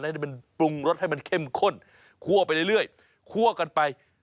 ให้มันปรุงรสให้มันเข้มข้นคั่วไปเรื่อยคั่วกันไป